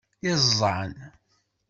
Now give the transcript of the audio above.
Iẓẓan.